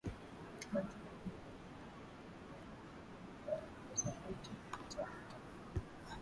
Bantu bananza ku angariya namuna ya kuotesha bintu kupitiya mutando